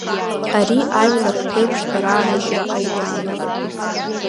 Ари ажәлар ԥеиԥшда рааныжьра ауп иаанаго.